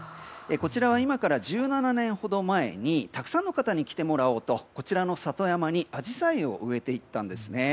こちらは今から１７年ほど前にたくさんの方に来てもらおうとこちらの里山にアジサイを植えていったんです。